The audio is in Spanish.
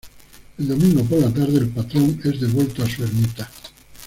El domingo por la tarde el patrón es devuelto a su ermita.